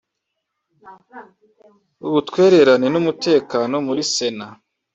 Ubutwererane n’Umutekano muri Sena